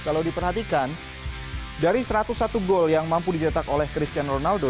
kalau diperhatikan dari satu ratus satu gol yang mampu dicetak oleh cristiano ronaldo